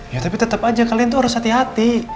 ya tapi tetap aja kalian tuh harus hati hati